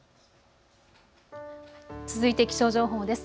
続いて気象情報です。